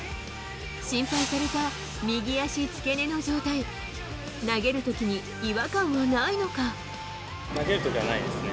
心配された右足付け根の状態、投げるときはないですね。